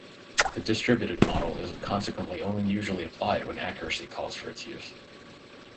The distributed model is consequently only usually applied when accuracy calls for its use.